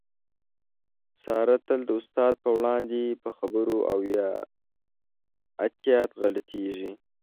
ساره تل د استاد په وړاندې په خبرو کې اویا اتیا غلطېږي.